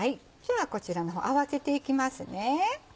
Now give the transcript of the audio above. こちらの方合わせていきますね。